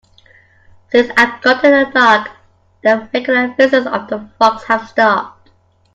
Since I've gotten a dog, the regular visits of the fox have stopped.